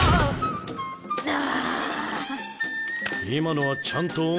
今のはちゃんと